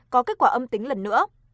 có kết quả âm tính lần nữa